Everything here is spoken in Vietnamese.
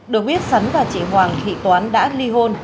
được biết sắn và chị hoàng thị toán đã ly hôn